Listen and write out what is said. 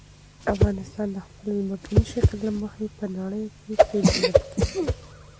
افغانستان د خپل ځمکني شکل له مخې په نړۍ کې پېژندل کېږي.